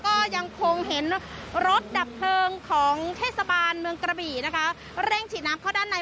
ก็ยังคงเห็นรถดับเพลิงของเทศบาลเมืองกระบี่นะคะเร่งฉีดน้ำเข้าด้านใน